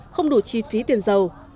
không đủ chi phí tiền giàu